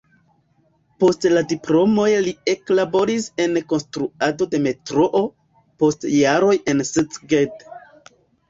Post la diplomoj li eklaboris en konstruado de metroo, post jaroj en Szeged.